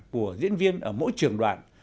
của diễn viên ở mỗi trường đoạn